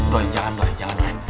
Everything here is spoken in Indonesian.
doi jangan doi jangan ya